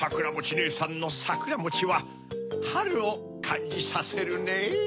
ねえさんのさくらもちははるをかんじさせるねぇ。